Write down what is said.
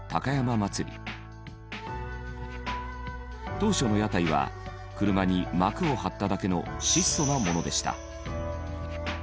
当初の屋台は車に幕を張っただけの質素なものでした。